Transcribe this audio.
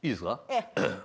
ええ。